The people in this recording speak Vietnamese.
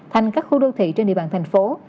thành các khu đô thị trên địa bàn thành phố